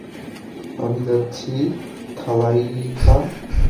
আমি যাচ্ছি, থালাইভা।